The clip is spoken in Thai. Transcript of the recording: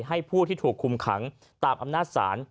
ผู้ที่ถูกคุมขังตามอำนาจศาล